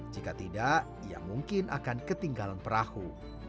jika tidak ia mungkin akan ketinggalan perahu